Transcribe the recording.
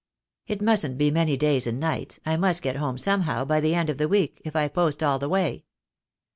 "It mustn't be many days and nights. I must get home somehow by the end of the week, if I post all the way."